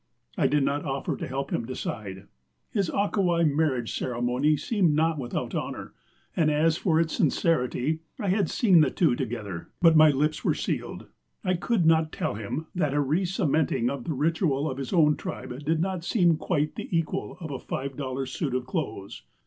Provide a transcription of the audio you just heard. I did not offer to help him decide. His Akawai marriage ceremony seemed not without honor, and as for its sincerity I had seen the two together. But my lips were sealed. I could not tell him that a recementing of the ritual of his own tribe did not seem quite the equal of a five dollar suit of clothes.